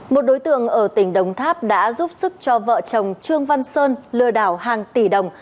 một đối tượng ở tỉnh đồng tháp đã giúp sức cho vợ chồng trương văn sơn lừa đảo hàng tỷ đồng